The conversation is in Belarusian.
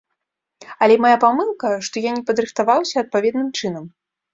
Але мая памылка, што я не падрыхтаваўся адпаведным чынам.